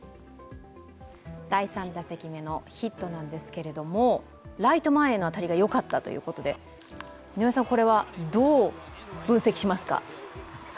第３打席目のヒットなんですけれどもライト前への当たりがよかったということで井上さん、これはどう分析しますか？